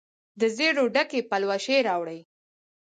دزیرو ډکي پلوشې راوړي